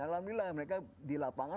alhamdulillah mereka di lapangan